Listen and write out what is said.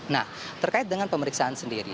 nah terkait dengan pemeriksaan sendiri